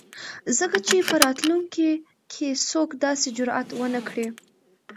ځکه چې په راتلونکي ،کې څوک داسې جرات ونه کړي.